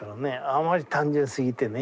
あまり単純すぎてね。